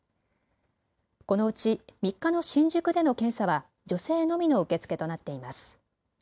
このうち３日の新宿での検査は女性のみの受け付けとなっています。